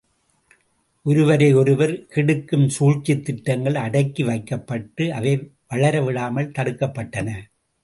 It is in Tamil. ஒருவரை ஒருவர் கெடுக்கும் சூழ்ச்சித் திட்டங்கள் அடக்கி வைக்கப்பட்டு அவை வளரவிடாமல் தடுக்கப்பட்டன.